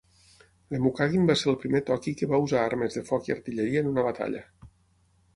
Lemucaguin va ser el primer Toqui que va usar armes de foc i artilleria en una batalla.